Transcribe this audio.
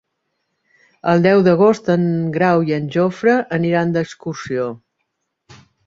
El deu d'agost en Grau i en Jofre aniran d'excursió.